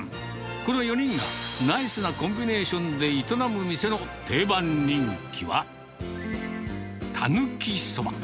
この４人がナイスなコンビネーションで営む店の定番人気は、たぬきそば。